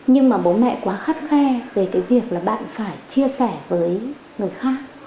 nhưng mà bố mẹ quá khắt khe về cái việc là bạn phải chia sẻ với người khác